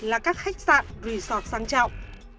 là các khách sạn resort sang trọng